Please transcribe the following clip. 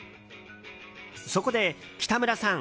そこで、北村さん